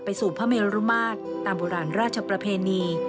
สู่พระเมรุมาตรตามโบราณราชประเพณี